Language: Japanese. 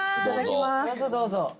どうぞ。